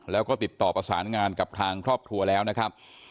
แล้วก็ติดต่อประสานงานกับทางครอบครัวแล้วนะครับ